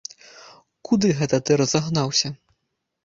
Куды гэта ты разагнаўся?